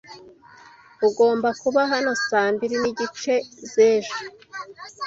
Ugomba kuba hano saa mbiri n'igice z'ejo